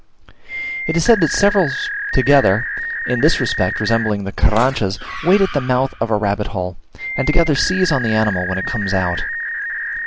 It is said that several together (in this respect resembling the Carranchas) wait at the mouth of a rabbit hole, and together seize on the animal when it comes out.